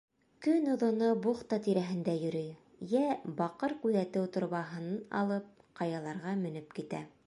Көн оҙоно бухта тирәһендә йөрөй, йә, баҡыр күҙәтеү торбаһын алып, ҡаяларға менеп китә.